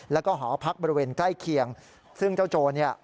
แล้วก็หอพักบริเวณใกล้เคียงซึ่งเจ้าโจรเนี่ย